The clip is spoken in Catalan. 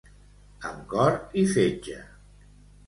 Amb cor i fetge.